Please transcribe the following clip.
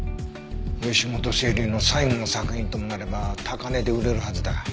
義本青流の最後の作品ともなれば高値で売れるはずだ。